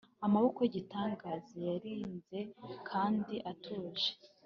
amaboko yigitangaza yarinze kandi atuje.